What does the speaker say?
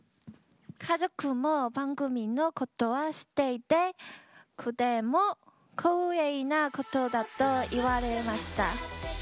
家族も番組のことは知っていてとても光栄なことだと言われました。